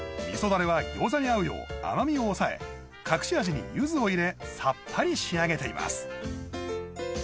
だれは餃子に合うよう甘みを抑え隠し味にゆずを入れさっぱり仕上げています